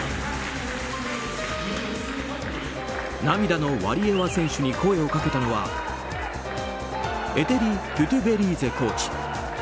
涙のワリエワ選手に声をかけたのはエテリ・トゥトベリーゼコーチ。